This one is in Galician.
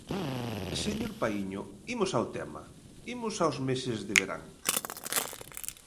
Señor Paíño, imos ao tema, imos aos meses de verán.